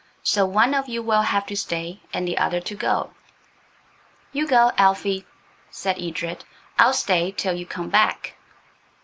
"So one of you will have to stay and the other to go." "You go, Elfie," said Edred. "I'll stay till you come back."